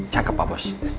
jaka pak bos